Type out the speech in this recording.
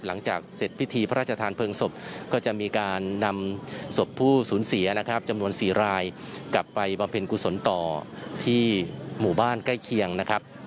หลังจากเสร็จพิธีพระราชทานเพลิงศพก็จะมีการนำศพผู้สูญเสียนะครับจำนวน๔รายกลับไปบำเพ็ญกุศลต่อที่หมู่บ้านใกล้เคียงนะครับ